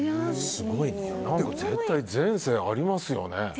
絶対、前世ありますよね。